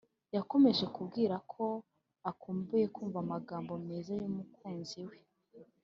yakomeje kubwirako akumbuye kumva amagambo meza yumukunzi we